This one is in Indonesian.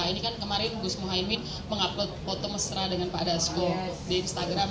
ini kan kemarin gus muhaymin mengupload foto mesra dengan pak dasko di instagram